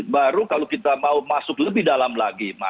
baru kalau kita mau masuk lebih dalam lagi